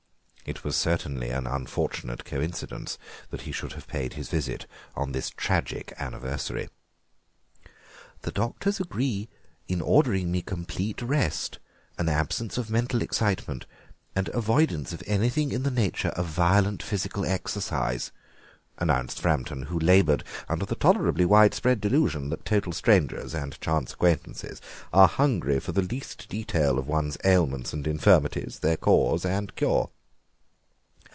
It was certainly an unfortunate coincidence that he should have paid his visit on this tragic anniversary. "The doctors agree in ordering me complete rest, an absence of mental excitement, and avoidance of anything in the nature of violent physical exercise," announced Framton, who laboured under the tolerably widespread delusion that total strangers and chance acquaintances are hungry for the least detail of one's ailments and infirmities, their cause and cure.